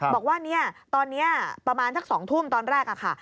บอกว่าเนี่ยตอนนี้ประมาณสัก๒ทุ่มตอนแรกค่ะ